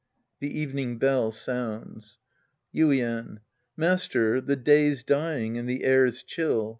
{The evening bell sounds) Yuien. Master, the day's dying, and the air's chill.